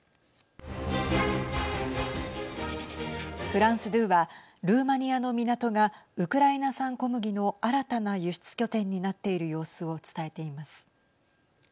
フランス２はルーマニアの港がウクライナ産小麦の新たな輸出拠点となっている様子を伝えています。